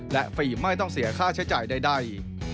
และฟิล์มไม่ต้องเสียค่าใช้จ่ายใด